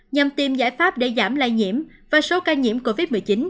nhằm tìm giải pháp để giảm lây nhiễm và số ca nhiễm covid một mươi chín